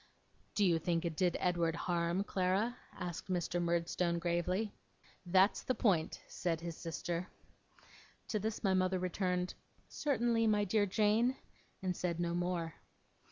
'Do you think it did Edward harm, Clara?' asked Mr. Murdstone, gravely. 'That's the point,' said his sister. To this my mother returned, 'Certainly, my dear Jane,' and said no more.